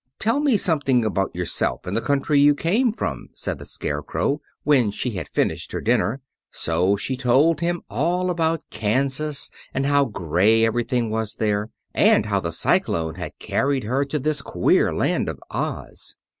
"Tell me something about yourself and the country you came from," said the Scarecrow, when she had finished her dinner. So she told him all about Kansas, and how gray everything was there, and how the cyclone had carried her to this queer Land of Oz.